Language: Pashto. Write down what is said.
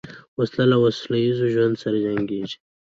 وسله له سولهییز ژوند سره جنګیږي